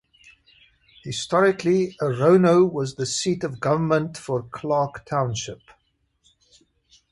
Historically, Orono was the seat of government for Clarke Township.